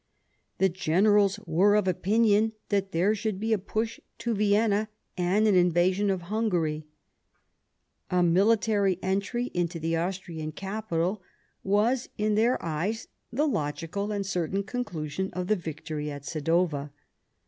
The generals were of opinion that there should be a push to Vienna and an invasion of Hungary ; a military entry into the Austrian capital was in their eyes the logical and certain conclusion of the victory of Sadowa.